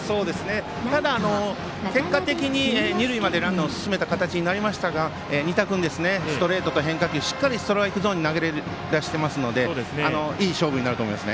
ただ、結果的に二塁までランナーを進めた形になりましたが、仁田君ストレートと変化球しっかりストライクゾーンに投げ出していますのでいい勝負になると思います。